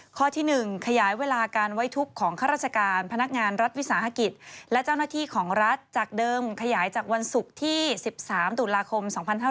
ข้อที่๑ขยายเวลาการไว้ทุกข์ของข้าราชการพนักงานรัฐวิสาหกิจและเจ้าหน้าที่ของรัฐจากเดิมขยายจากวันศุกร์ที่๑๓ตุลาคม๒๕๕๙